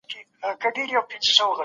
په امریکا کې ډېر بالغ خلک خوږ څښاک څښي.